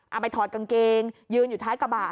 เอาไปถอดกางเกงยืนอยู่ท้ายกระบะ